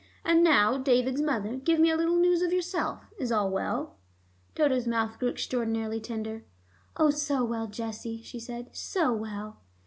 "And now, David's mother, give me a little news of yourself. Is all well?" Dodo's mouth grew extraordinarily tender. "Oh, so well, Jesse," she said, "so well!"